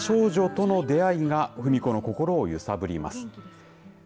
不思議な少女との出会いが史子の心を揺さぶります。